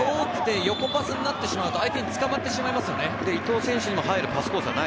遠くて横パスになってしまうと相手に捕まってしまいますよね。